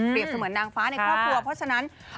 เสมือนนางฟ้าในครอบครัวเพราะฉะนั้น